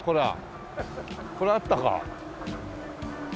これあったか。